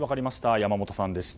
山本さんでした。